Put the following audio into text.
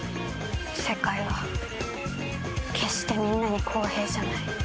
世界は決してみんなに公平じゃない。